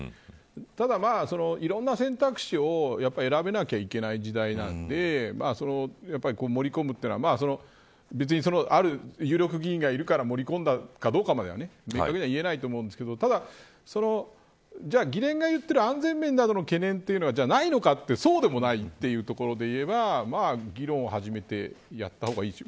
ただ、いろんな選択肢を選べなきゃいけない時代なのでそれを盛り込むというのは別に、ある有力議員がいるから盛り込んだかどうかまでは明確には言えないと思うんですけどただ、じゃあ議連が言っている安全面での懸念というのはないのかってそうでもないというところで言えば議論を始めてやった方がいいですよ。